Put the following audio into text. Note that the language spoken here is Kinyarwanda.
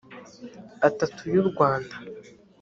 atatu y u rwanda